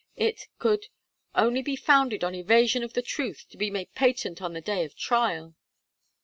It could "only be founded on evasion of the truth to be made patent on the day of trial."